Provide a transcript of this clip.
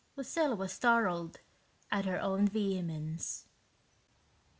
Lucilla was startled at her own vehemence.